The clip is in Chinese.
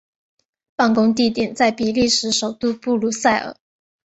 办公地点在比利时首都布鲁塞尔。